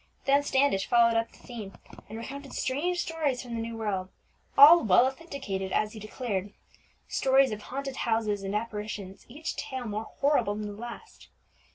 Then Standish followed up the theme, and recounted strange stories from the New World, all "well authenticated" as he declared; stories of haunted houses and apparitions, each tale more horrible than the last.